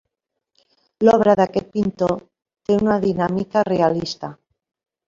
L'obra d'aquest pintor té una dinàmica realista.